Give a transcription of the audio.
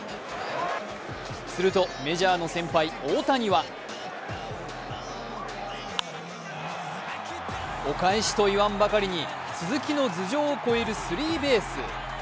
するとメジャーの先輩・大谷はお返しと言わんばかりに鈴木の頭上を超えるスリーベース。